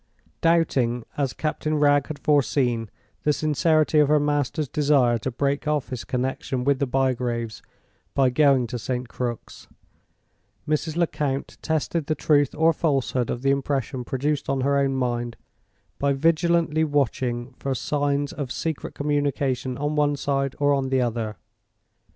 Doubting, as Captain Wragge had foreseen, the sincerity of her master's desire to break off his connection with the Bygraves by going to St. Crux, Mrs. Lecount tested the truth or falsehood of the impression produced on her own mind by vigilantly watching for signs of secret communication on one side or on the other.